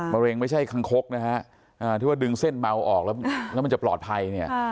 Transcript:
มะเร็งไม่ใช่คังคกนะคะว่าดึงเส้นเมาออกแล้วมันจะปลอดภัย